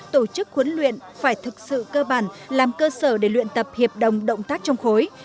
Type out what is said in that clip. tổ chức huấn luyện phải thực sự cơ bản làm cơ sở để luyện tập hiệp đồng động tác trong khối